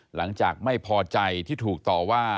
หลังจากไม่พอใจที่ถูกต่อว่า